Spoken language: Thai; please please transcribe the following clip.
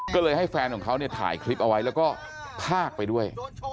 ก็เลยให้แฟนของเขาเนี่ยถ่ายคลิปเอาไว้แล้วก็พากไปด้วย